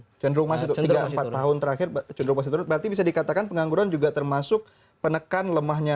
saya latihanimasinya empat tahun terakhir berarti bisa dikatakan pengangguran juga termasuk penekan lemahnya